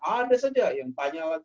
ada saja yang tanya